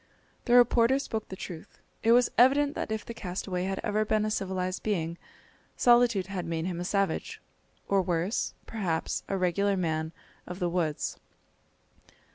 The reporter spoke the truth. It was evident that if the castaway had ever been a civilised being, solitude had made him a savage, or worse, perhaps a regular man of the woods.